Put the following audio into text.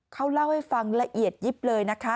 เขาเล่าให้ฟังละเอียดยิบเลยนะคะ